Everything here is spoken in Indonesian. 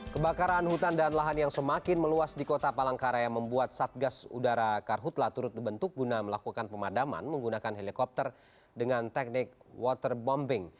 kebakaran hutan dan lahan yang semakin meluas di kota palangkaraya membuat satgas udara karhutla turut dibentuk guna melakukan pemadaman menggunakan helikopter dengan teknik waterbombing